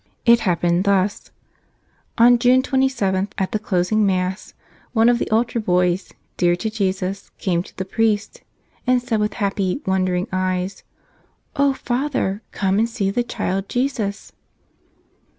It happened thus : On June 27, at the closing Mass, one of the altar boys, dear to Jesus, came to the priest and said with happy, wondering eyes: "O Father, come and see the Child Jesus!"